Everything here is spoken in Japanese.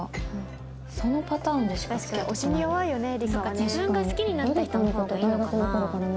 自分が好きになった人の方がいいのかなねえ。